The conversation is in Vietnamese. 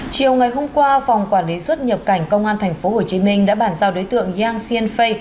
chiều ngày hôm qua phòng quản lý xuất nhập cảnh công an tp hcm đã bàn giao đối tượng yang xianfei